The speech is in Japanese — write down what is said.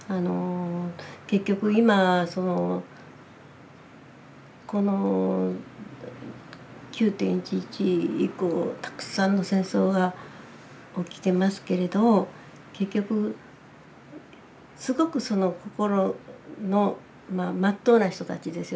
結局今この９．１１以降たくさんの戦争が起きてますけれど結局すごくその心のまっとうな人たちですよね。